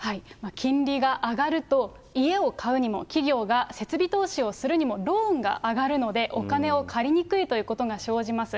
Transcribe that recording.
金利が上がると、家を買うにも企業が設備投資をするにも、ローンが上がるのでお金を借りにくいということが生じます。